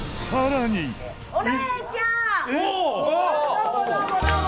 どうもどうもどうも！